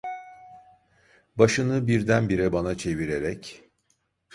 Başını birdenbire bana çevirerek.